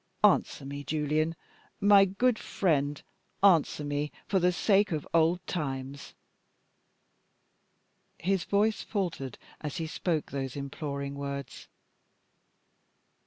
Answer me, Julian. My good friend, answer me, for the sake of old times." His voice faltered as he spoke those imploring words.